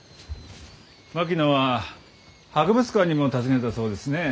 槙野は博物館にも訪ねたそうですね。